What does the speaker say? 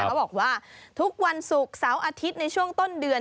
เขาบอกว่าทุกวันศุกร์เสาร์อาทิตย์ในช่วงต้นเดือน